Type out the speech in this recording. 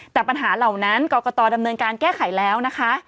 แต่ปัญหาเหล่านั้นกรกตดำเนินการแก้ไขแล้วนะคะ